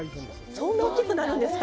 そんな大きくなるんですか？